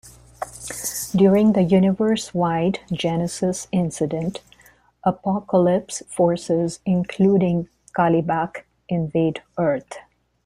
During the universe-wide "Genesis" incident, Apokolips forces, including Kalibak, invade Earth.